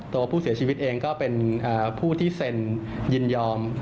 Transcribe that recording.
ตัวผู้เสียชีวิตเองก็เป็นผู้ที่เซ็นยินยอม